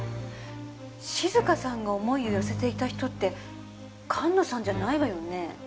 静香さんが思いを寄せていた人って菅野さんじゃないわよね？